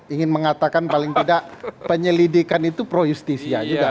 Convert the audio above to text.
ingin mengatakan paling tidak penyelidikan itu pro justisia juga